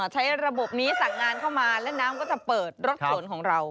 ใช้ระบบนี้สั่งงานเข้ามาและน้ำก็จะเปิดรถขนของเรา